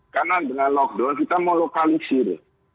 karena dengan lockdown kita mau lokalisir